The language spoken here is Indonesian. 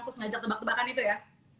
terus ngajak tebak tebakan itu ya